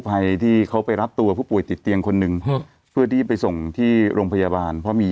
อ่ะยกผู้ป่วยติดเตียงไปส่งโรงพยาบาล